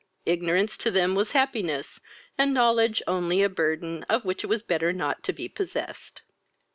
ignorance to them was happiness, and knowledge only a burthen, of which it was better not to be possessed.